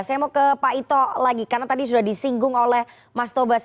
saya mau ke pak ito lagi karena tadi sudah disinggung oleh mas tobas